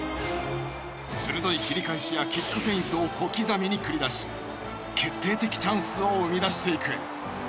鋭い切り返しやキックフェイントを小刻みに繰り出し決定的チャンスを生み出していく。